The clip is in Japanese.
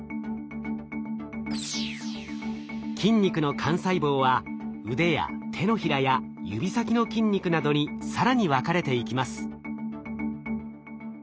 筋肉の幹細胞はうでや手のひらや指先の筋肉などに更に分かれていきます。